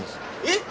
えっ！？